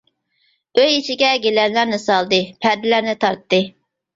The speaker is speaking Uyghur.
ئۆي ئىچىگە گىلەملەرنى سالدى، پەردىلەرنى تارتتى.